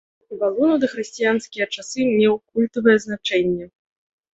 Валун у дахрысціянскія часы меў культавае значэнне.